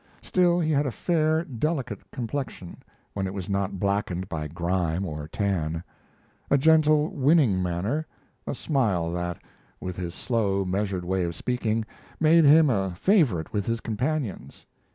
Still, he had a fair, delicate complexion, when it was not blackened by grime or tan; a gentle, winning manner; a smile that, with his slow, measured way of speaking, made him a favorite with his companions.